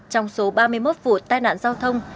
trong số ba mươi một vụ tai nạn giao thông